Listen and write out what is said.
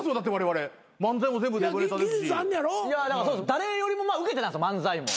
誰よりもウケてたんですよ漫才も。